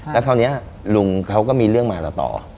แล้วคราวนี้ลุงเขาก็มีเรื่องมาเราต่อ